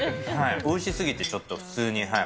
おいしすぎて、ちょっと、普通に、はい。